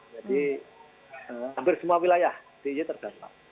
jadi hampir semua wilayah terdampak